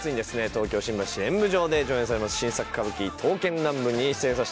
東京新橋演舞場で上演されます新作歌舞伎『刀剣乱舞』に出演させていただきます。